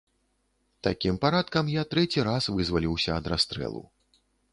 Такім парадкам я трэці раз вызваліўся ад расстрэлу.